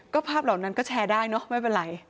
ก็ภาพเหล่านั้นก็แชร์ได้เนอะไม่เป็นไร